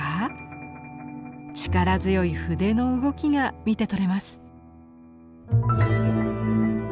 力強い筆の動きが見て取れます。